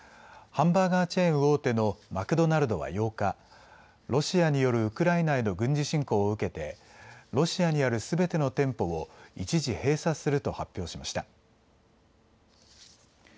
ハンバーガーチェーン大手のマクドナルドは８日、ロシアによるウクライナへの軍事侵攻を受けてロシアにあるすべての店舗を一時、閉鎖すると発表しました。